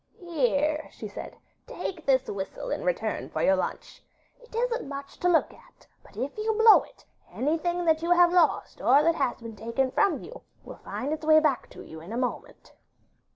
'Here,' she said; 'take this whistle in return for your lunch. It isn't much to look at, but if you blow it, anything that you have lost or that has been taken from you will find its way back to you in a moment.